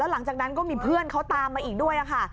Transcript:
หลังจากนั้นก็มีเพื่อนเขาตามมาอีกด้วยค่ะ